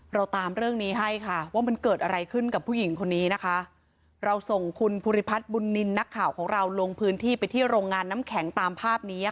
เราตามเรื่องนี้ให้ค่ะว่ามันเกิดอะไรขึ้นกับผู้หญิงคนนี้นะคะเราส่งคุณภูริพัฒน์บุญนินทร์นักข่าวของเราลงพื้นที่ไปที่โรงงานน้ำแข็งตามภาพนี้ค่ะ